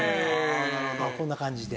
こんな感じで。